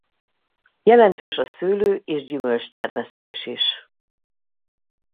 Jelentős a szőlő és gyümölcstermesztés is.